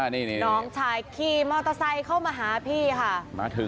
น้องชายขี่มอเตอร์ไซต์เข้ามาหาพี่ค่ะ